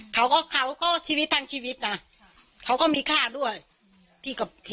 เขาก็เขาก็ชีวิตทั้งชีวิตนะเขาก็มีค่าด้วยที่ก็คิด